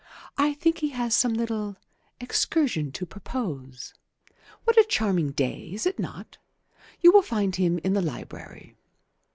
I think he has some little excursion to propose. What a charming day, is it not? You will find him in the library."